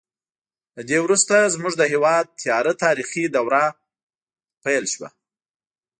له دې وروسته زموږ د هېواد تیاره تاریخي دوره پیل شوه.